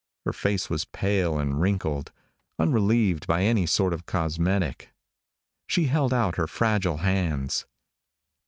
Her face was pale and wrinkled, unrelieved by any sort of cosmetic. She held out her fragile hands.